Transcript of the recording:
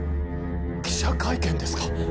記者会見ですか？